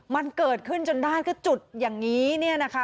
มันเกิดขึ้นจนได้จุดอย่างนี้นะคะ